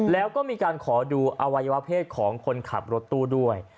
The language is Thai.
แล้วก็มีการขอดูอวัยวะเพศของคนขับรถตู้ด้วย